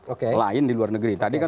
oke tadi kan sebetulnya